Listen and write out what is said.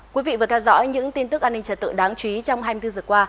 quý vị vừa theo dõi những tin tức an ninh trật tự đáng chú ý trong hai mươi bốn giờ qua